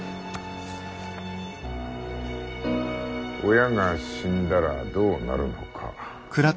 親が死んだらどうなるのか？